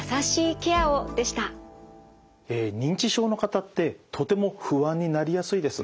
認知症の方ってとても不安になりやすいです。